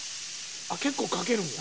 あっ結構かけるんや。